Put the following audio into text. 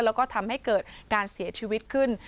แล้วก็ทำให้เกิดการเสียชีวิตขึ้น